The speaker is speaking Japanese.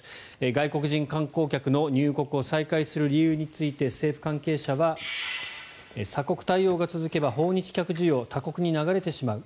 外国人観光客の入国を再開する理由について政府関係者は鎖国対応が続けば訪日客需要他国に流れてしまう。